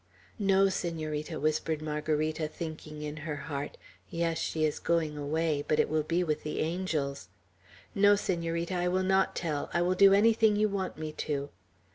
"No, Senorita!" whispered Margarita, thinking in her heart, "Yes, she is going away, but it will be with the angels." "No, Senorita, I will not tell. I will do anything you want me to."